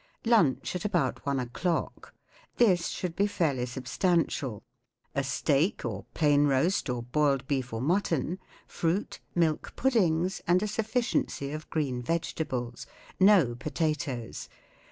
Lunch at about one o'clock. This should be fairly substantial. A steak, or plain roast ru¬ befied beef or mutton, fruit, milk puddings, and a sufficiency of green vegetables. No potatoes.